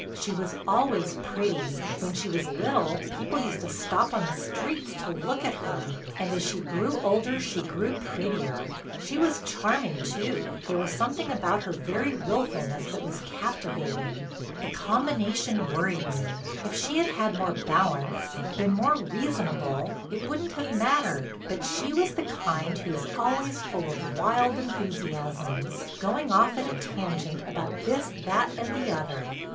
"She was always pretty—when she was little people used to stop on the streets to look at her—and as she grew older she grew prettier. She was charming, too, there was something about her very willfulness that was captivating. The combination worried me; if she had had more balance, been more reasonable, it wouldn't have mattered. But she was the kind who is always full of wild enthusiasms, going off at a tangent about this, that and the other.